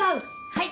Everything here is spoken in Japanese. はい！